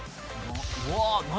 うわあ何？